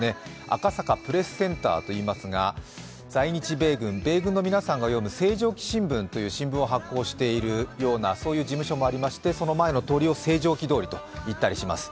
赤坂プレスセンターといいますが、在日米軍の皆さんが読む「星条旗新聞」を発行しているような、そんな事務所もありましてその前の通りを星条旗通りと言ったりします。